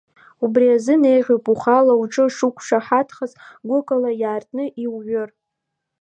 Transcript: Убри азын еиӷьуп ухала уҿы шуқәшаҳаҭхаз гәыкала иаартны иуҩыр.